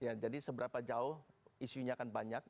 ya jadi seberapa jauh isunya akan banyak